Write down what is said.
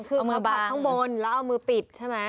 คือมือผัดข้างบนแล้วเอามือปิดใช่ไหม